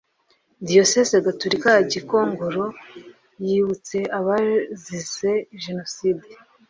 Diyoseze Gatulika ya Gikongoro yibutse abazize Jenoside